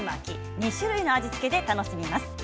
２種類の味付けで楽しみます。